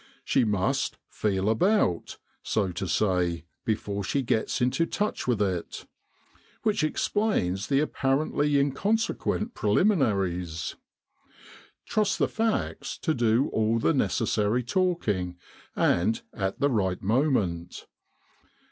She must ' feel about,* so to say, before she gets into touch with it. Which explains the apparently inconsequent preliminaries. Trust the facts to do all the necessary talking, and at the right moment.